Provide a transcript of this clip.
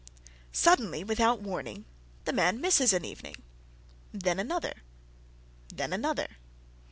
Suddenly, without warning, the man misses an evening, then another, then another.